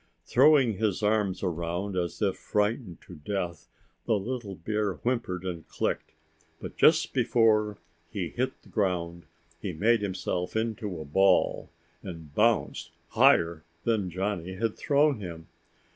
Throwing his arms around as if frightened to death, the little bear whimpered and clicked. But just before he hit the ground he made himself into a ball, and bounced higher than Johnny had thrown him.